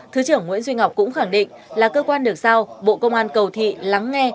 thứ trưởng nguyễn duy ngọc cũng khẳng định là cơ quan được sao bộ công an cầu thị lắng nghe